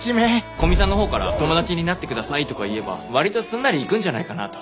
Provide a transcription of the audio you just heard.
古見さんの方から「友達になって下さい」とか言えば割とすんなりいくんじゃないかなと。